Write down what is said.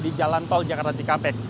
di jalan tol jakarta cikampek